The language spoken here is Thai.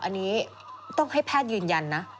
อันนี้ต้องให้แพทย์ยืนยันนะ